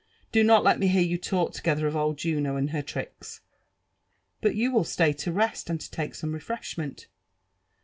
Do not let me hear you talk together of old Juno and her tricks." *' But you will stay to rest^ and to lake some refreshment